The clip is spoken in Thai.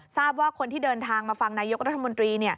ทราบว่าคนที่เดินทางมาฟังนายกรัฐมนตรี